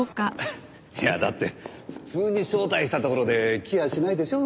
いやだって普通に招待したところで来やしないでしょ？